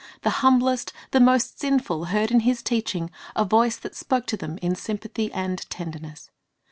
The humblest, the most sinful, heard in His teaching a voice that spoke to them in sympathy and tenderness.